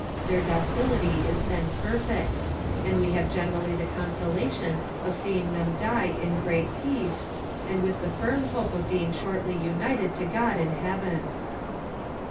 Their docility is then perfect, and we have generally the consolation of seeing them die in great peace, and with the firm hope of being shortly united to God in heaven.